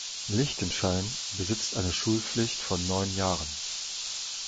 Liechtenstein besitzt eine Schulpflicht von neun Jahren.